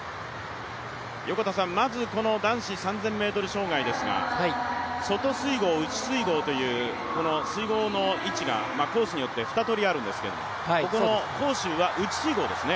まずこの男子３０００ｍ障害ですが外水濠、内水濠という、この水濠の位置がコースによって２通りあるんですけどこのコースは内水濠ですね。